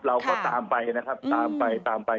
เราก็ตามไปนะครับตามไปตามไป